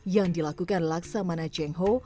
yang dilakukan laksamana jengho